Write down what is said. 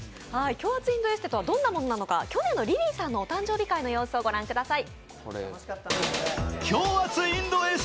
強圧インドエステとはどんなものなのか、去年のリリーさんのお誕生日会の様子をご覧ください。